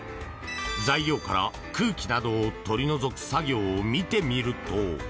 材料から空気などを取り除く作業を見てみると。